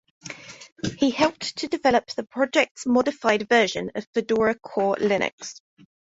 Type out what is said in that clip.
He helped to develop the project's modified version of Fedora Core Linux.